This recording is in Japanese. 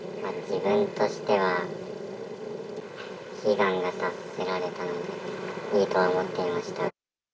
自分としては悲願が達せられたので、いいと思っていました。